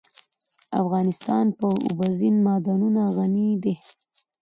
افغانستان په اوبزین معدنونه غني دی.